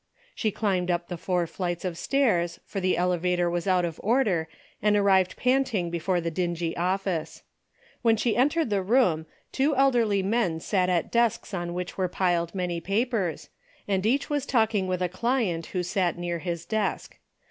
Sho climbed up the four flights of stairs, for the elevator was out of order and arrived panting before the dingy office. When she entered the room, two elderly men sat at desks on which were piled many papers, and each was talking with a client who sat near his desk.